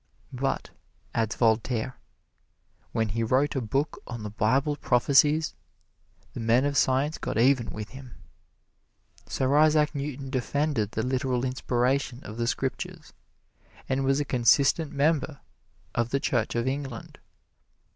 "But," adds Voltaire, "when he wrote a book on the Bible prophecies, the men of science got even with him." Sir Isaac Newton defended the literal inspiration of the Scriptures and was a consistent member of the Church of England.